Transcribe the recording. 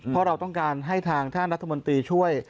เพราะเราต้องการให้ทางท่านรัฐมนตรีช่วย